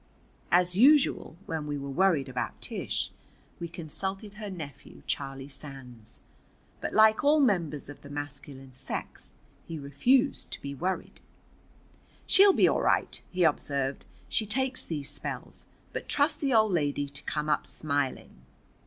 As usual when we are worried about Tish, we consulted her nephew, Charlie Sands. But like all members of the masculine sex he refused to be worried. "She'll be all right," he observed. "She takes these spells. But trust the old lady to come up smiling."